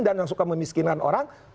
dan yang suka memiskinkan orang